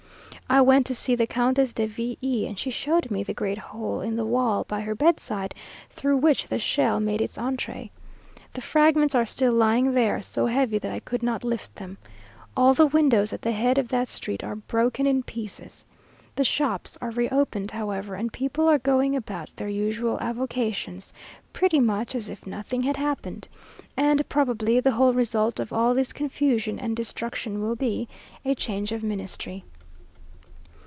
I went to see the Countess de V e, and she showed me the great hole in the wall by her bedside, through which the shell made its entrée. The fragments are still lying there, so heavy that I could not lift them. All the windows at the head of that street are broken in pieces. The shops are reopened, however, and people are going about their usual avocations, pretty much as if nothing had happened; and probably the whole result of all this confusion and destruction will be a change of ministry.